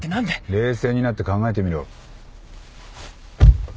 冷静になって考えてみろ。